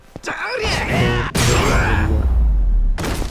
அந்தோ இவர்கள் எளியர்!